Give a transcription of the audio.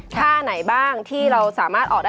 ท่าไหนบ้างที่เราสามารถออกได้